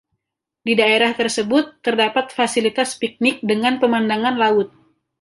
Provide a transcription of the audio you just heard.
Di daerah tersebut, terdapat fasilitas piknik dengan pemandangan laut.